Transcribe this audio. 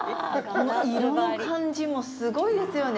この色の感じもすごいですよね！